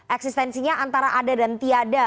eksistensinya antara ada dan tiada